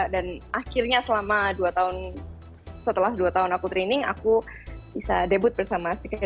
dan akhirnya selama dua tahun setelah dua tahun aku training aku bisa debut bersama secret number di mei dua ribu dua puluh